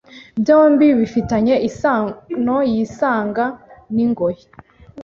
byombi bifitanye isano y’isanga n’ingoyi.